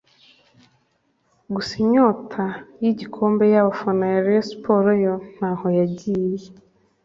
gusa inyota y’igikombe y’abafana ba Rayon Sports yo ntaho yagiye